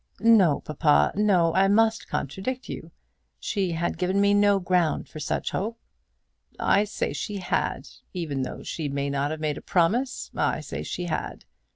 "No, papa; no; I must contradict you. She had given me no ground for such hope." "I say she had, even though she may not have made a promise. I say she had.